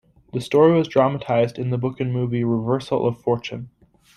The story was dramatized in the book and movie, "Reversal of Fortune".